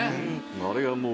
あれはもう。